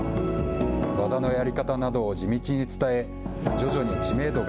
技のやり方などを地道に伝え徐々に知名度が